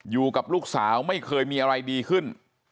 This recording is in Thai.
อยู่กับลูกสาวไม่เคยมีอะไรดีขึ้น